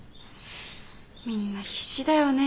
みんな必死だよね